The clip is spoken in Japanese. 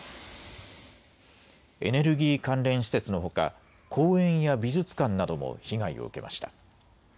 エネルギー関連施設のほか公園や美術館なども被害を受けました。